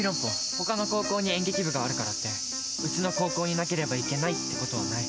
ほかの高校に演劇部があるからってうちの高校になければいけないって事はない。